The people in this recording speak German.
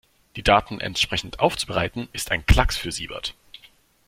Die Daten entsprechend aufzubereiten, ist ein Klacks für Siebert.